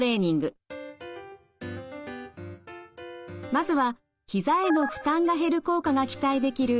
まずはひざへの負担が減る効果が期待できる